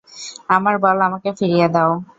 আমার বল আমাকে ফিরিয়ে দাও।